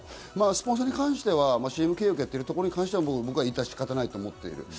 スポンサーに関しては、ＣＭ契約をやっているところに関しては致し方ないと思っている。